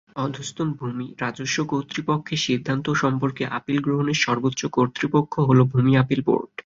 অধস্তন ভূমি রাজস্ব কর্তৃপক্ষের সিদ্ধান্ত সম্পর্কে আপিল গ্রহণের সর্বোচ্চ কর্তৃপক্ষ হলো ভূমি আপিল বোর্ড।